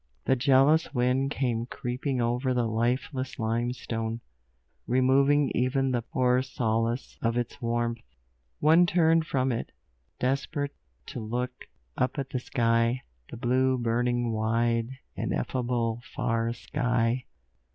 The jealous wind came creeping over the lifeless limestone, removing even the poor solace of its warmth; one turned from it, desperate, to look up at the sky, the blue, burning, wide, ineffable, far sky.